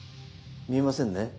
見えませんね。